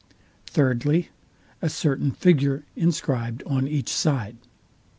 Thirdly, A certain figure inscribed on each side.